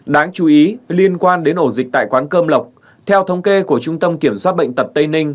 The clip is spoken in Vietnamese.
đáng chú ý liên quan đến ổ dịch tại quán cơm lộc theo thống kê của trung tâm kiểm soát bệnh tật tây ninh